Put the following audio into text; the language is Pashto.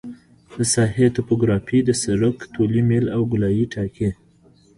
د ساحې توپوګرافي د سرک طولي میل او ګولایي ټاکي